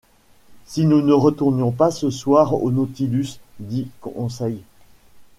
Si nous ne retournions pas ce soir au Nautilus ? dit Conseil.